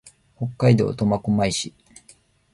北海道苫小牧市